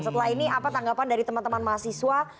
setelah ini apa tanggapan dari teman teman mahasiswa